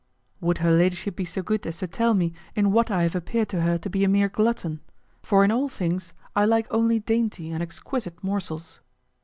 "Would her ladyship be so good as to tell me in what I have appeared to her to be a mere glutton? For in all things I like only dainty and exquisite morsels."